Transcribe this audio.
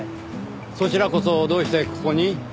そちらこそどうしてここに？